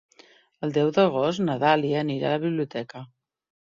El deu d'agost na Dàlia anirà a la biblioteca.